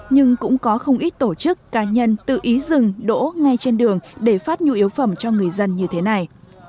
nhưng cũng có không ít tổ chức cá nhân tự ý dừng đỗ ngay trên đường để phát nhu yếu phẩm cho người dân như thế này